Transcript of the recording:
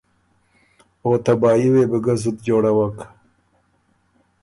او تبايي وې بو ګۀ زُت جوړوک۔